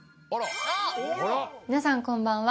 皆さんこんばんは。